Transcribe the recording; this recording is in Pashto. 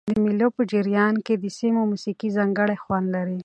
د مېلو په جریان کښي د سیمي موسیقي ځانګړی خوند لري.